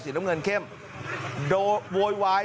สวัสดีครับคุณผู้ชาย